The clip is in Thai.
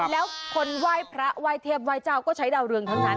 แล้วคนไหว้พระไหว้เทพไหว้เจ้าก็ใช้ดาวเรืองทั้งนั้น